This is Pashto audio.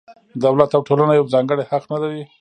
دولت او ټولنه یو ځانګړی حق نه لري.